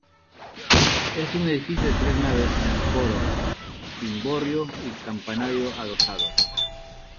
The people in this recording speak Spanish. Es un edificio de tres naves con coro, cimborrio y campanario adosado.